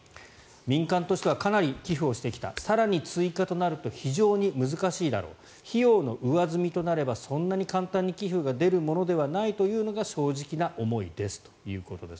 民間としてはかなり寄付をしてきた更に追加となると非常に難しいだろう費用の上積みとなればそんなに簡単に寄付が出るものではないというのが正直な思いですということです。